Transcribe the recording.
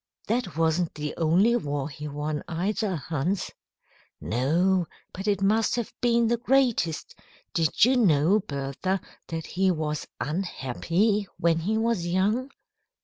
"That wasn't the only war he won, either, Hans." "No, but it must have been the greatest. Did you know, Bertha, that he was unhappy when he was young?